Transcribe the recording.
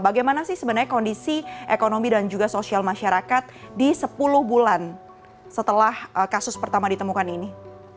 bagaimana sih sebenarnya kondisi ekonomi dan juga sosial masyarakat di sepuluh bulan setelah kasus pertama ditemukan ini